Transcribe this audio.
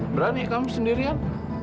berani kamu sendirian